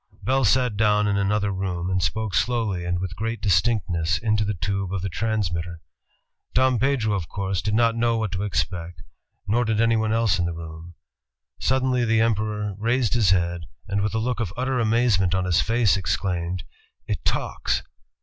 Bell sat down in another room and spoke slowly and with great distinctness into the tube of the transmitter. Dom Pedro, of course, did not know what to expect, nor did anyone els^in the room. Sud denly the Emperor raised his head and with a look of utter amazement on his face ex claimed, " It talks!"